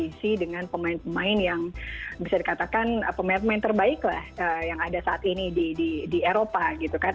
berisi dengan pemain pemain yang bisa dikatakan pemain pemain terbaik lah yang ada saat ini di eropa gitu kan